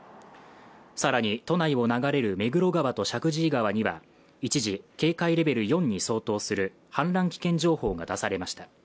さらに、都内を流れる目黒川と石神井川には一時警戒レベル４に相当する氾濫危険情報が出されました。